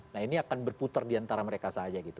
nah ini akan berputar diantara mereka saja gitu